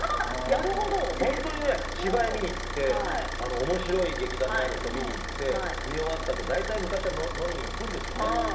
本当に芝居を見に行っておもしろい劇団があると見に行って見終わったあと大体、昔は飲みに行くんですね。